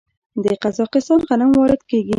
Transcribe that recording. د قزاقستان غنم وارد کیږي.